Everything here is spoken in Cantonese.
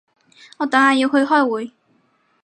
我等下要去開會